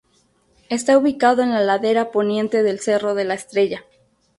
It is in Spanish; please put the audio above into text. Está ubicado en la ladera poniente del cerro de la Estrella.